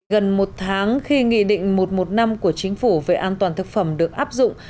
gần một tháng khi nghị định một trăm một mươi năm của chính phủ về an toàn thực phẩm được áp dụng